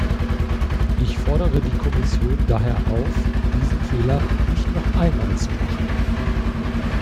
Ich fordere die Kommission daher auf, diesen Fehler nicht noch einmal zu machen.